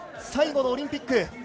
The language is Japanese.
最後のオリンピック。